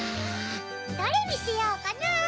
どれにしようかな？